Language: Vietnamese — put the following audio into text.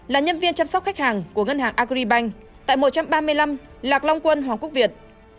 là nhân viên chăm sóc khách hàng của ngân hàng agribank tại một trăm ba mươi năm lạc long quân hoàng quốc việt